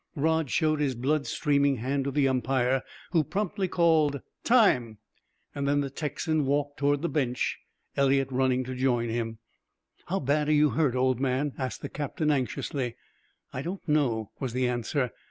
Rod showed his blood streaming hand to the umpire, who promptly called "time." Then the Texan walked toward the bench, Eliot running to join him. "How bad are you hurt, old man?" asked the captain anxiously. "I don't know," was the answer.